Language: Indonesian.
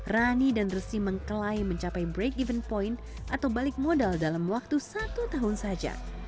rani dan resy mengklaim mencapai break even point atau balik modal dalam waktu satu tahun saja